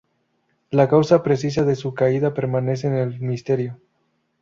La causa precisa de su caída permanece en el misterio.